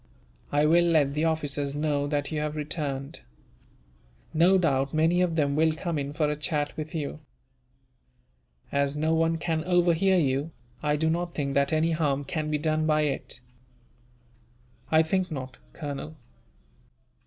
I will let the officers know that you have returned. No doubt many of them will come in for a chat with you. As no one can overhear you, I do not think that any harm can be done by it." "I think not, Colonel."